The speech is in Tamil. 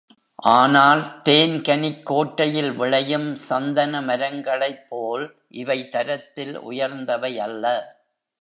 ஆனால் தேன்கனிக்கோட்டை யில் விளையும் சந்தன மரங்களைப்போல் இவை தரத்தில் உயர்ந்தவையல்ல.